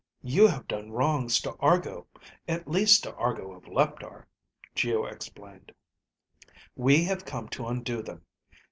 "You have done wrongs to Argo at least to Argo of Leptar," Geo explained. "We have come to undo them.